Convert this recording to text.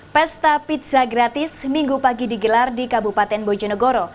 pesta pizza gratis minggu pagi digelar di kabupaten bojonegoro